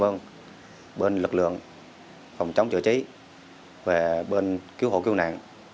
xin chân thành cảm ơn bên lực lượng phòng chống chữa cháy và bên cứu hộ cứu nạn